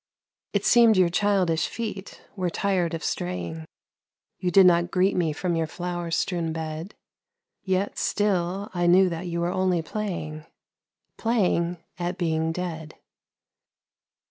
It seemed your childish feet were tired of straying, You did not greet me from your flower strewn bed Yet still I knew that you were only playing Playing at being dead.